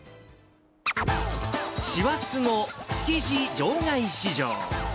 師走の築地場外市場。